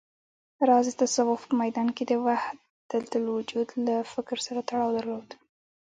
راز د تصوف په ميدان کې د وحدتالوجود له فکر سره تړاو درلود